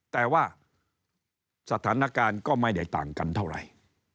แต่ว่าสถานการณ์ก็ไม่ได้ต่างกันเท่าไหร่